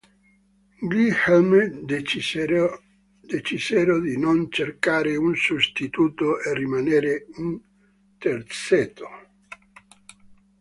Gli Helmet decisero di non cercare un sostituto e rimanere un terzetto.